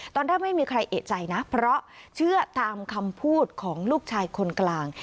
ตอนแรกไม่มีใครเอกใจนะเพราะเชื่อตามคำพูดของลูกชายคนกลาง